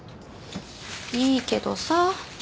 いいけどさ。